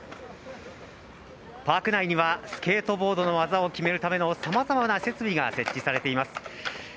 パーク内にはスケートボードの技を決めるためのさまざまな設備が設置されています。